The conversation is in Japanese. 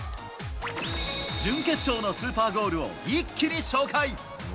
準決勝のスーパーゴールを、一気に紹介。